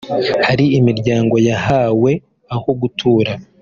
Hari imiryango yahawe aho gutura